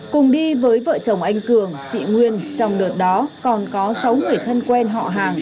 cùng đi với vợ chồng anh cường chị nguyên trong đợt đó còn có sáu người thân quen họ hàng